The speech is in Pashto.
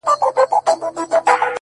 • ته تر څه تورو تیارو پوري یې تللی ,